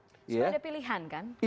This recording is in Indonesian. supaya ada pilihan kan